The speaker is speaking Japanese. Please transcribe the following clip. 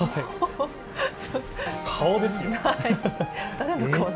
顔ですよ。